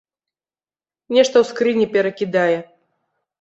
Нешта ў скрыні перакідае.